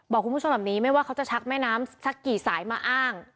บอกคุณผู้ชมแบบนี้ไม่ว่าเขาจะชักแม่น้ำสักกี่สายมาอ้าง